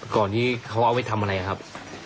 ก่อนที่เขาเอาไว้ทำอะไรครับ